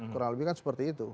kurang lebih kan seperti itu